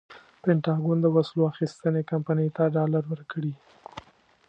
پنټاګون د وسلو اخیستنې کمپنۍ ته ډالر ورکړي.